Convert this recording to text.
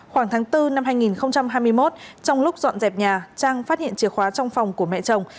khoảng tháng bốn năm hai nghìn hai mươi một trong lúc dọn dẹp nhà trang phát hiện chìa khóa trong phòng của mẹ chồng